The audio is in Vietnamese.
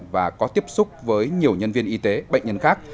và có tiếp xúc với nhiều nhân viên y tế bệnh nhân khác